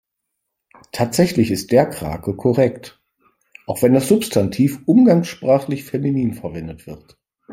Tatsächlich ist "der Krake" korrekt, auch wenn das Substantiv umgangssprachlich feminin verwendet wird.